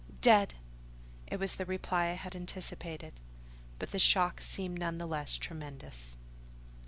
"Dead!" It was the reply I had anticipated: but the shock seemed none the less tremendous.